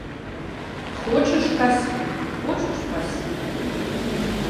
Хочаш касі, хочаш пасі.